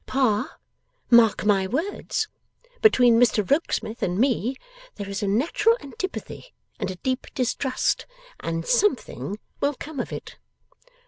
Pa, mark my words! Between Mr Rokesmith and me, there is a natural antipathy and a deep distrust; and something will come of it!